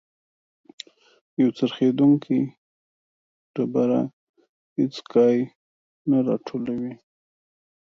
یو څرخیدونکی ډبره هیڅ کای نه راټولوي.